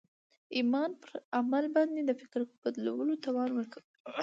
ایمان پر عمل باندې د فکر بدلولو توان ورکوي